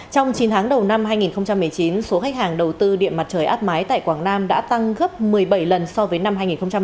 trong chín tháng đầu năm hai nghìn một mươi chín số khách hàng đầu tư điện mặt trời áp mái tại quảng nam đã tăng gấp một mươi bảy lần so với năm hai nghìn một mươi tám